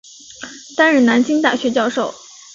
担任南京大学教授。